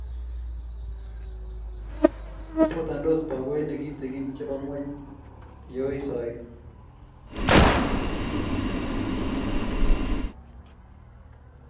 botonsot bakoinik kitikin chebo ng'weny yeooisoti